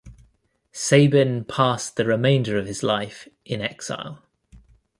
Sabin passed the remainder of his life in exile.